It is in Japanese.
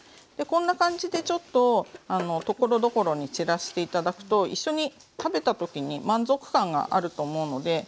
こんな感じでちょっとところどころに散らして頂くと一緒に食べた時に満足感があると思うので。